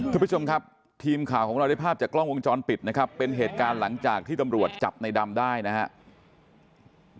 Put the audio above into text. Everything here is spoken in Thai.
คุณผู้ชมครับทีมข่าวของเราได้ภาพจากกล้องวงจรปิดนะครับเป็นเหตุการณ์หลังจากที่ตำรวจจับในดำได้นะครับ